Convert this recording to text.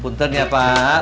punten ya pak